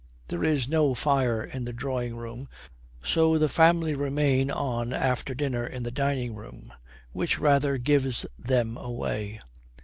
There is no fire in the drawing room, so the family remain on after dinner in the dining room, which rather gives them away.